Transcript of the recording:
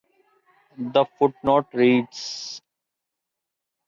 The footnote reads: ...